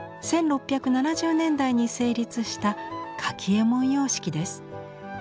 １６７０年代に成立した柿右衛門様式です。